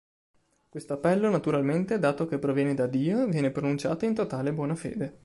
Questo appello, naturalmente, dato che proviene da Dio, viene pronunciato in totale buona fede.